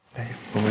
udah yuk punggung ya